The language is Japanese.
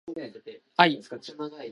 愛